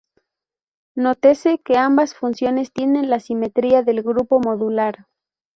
Nótese que ambas funciones tienen la simetría del grupo modular.